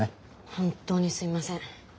本当にすいません。